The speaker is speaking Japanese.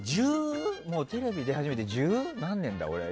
テレビ出始めて十何年だ。